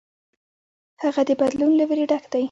هغه د بدلون له ویرې ډک دی.